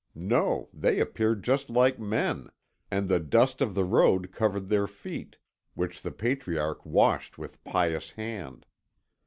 No, they appeared just like men, and the dust of the road covered their feet, which the patriarch washed with pious hand.